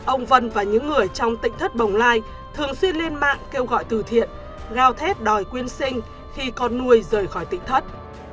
ông vân và những người trong tỉnh thất bồng lai thường xuyên lên mạng kêu gọi từ thiện ngao thét đòi quyên sinh khi con nuôi rời khỏi tỉnh thất